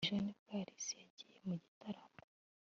ejo nibwo alice yagiye mu gitaramo